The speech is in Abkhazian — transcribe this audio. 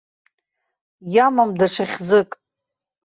Иамам даҽа хьӡык.